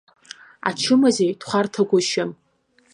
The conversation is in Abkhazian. Ачымазаҩ дхәарҭагәышьам!